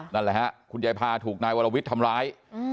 นั่นแหละฮะคุณยายพาถูกนายวรวิทย์ทำร้าย